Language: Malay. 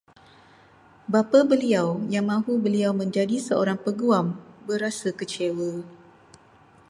Bapa beliau yang mahu beliau menjadi seorang peguam, berasa kecewa